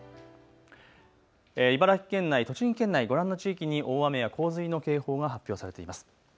茨城県内、栃木県内ご覧の地域に大雨や洪水の警報が発表されています。